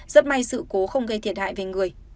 rất may sự cố không gây thiệt hại về người